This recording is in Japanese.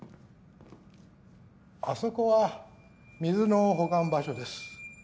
あそこは水の保管場所です。